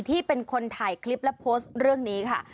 ที่เป็นคนถ่ายคลิปและโพสต์เรื่องนี้ค่ะ